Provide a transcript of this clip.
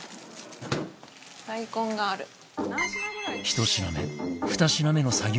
１品目２品目の作業